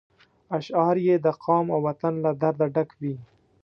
اشعار یې د قام او وطن له درده ډک وي.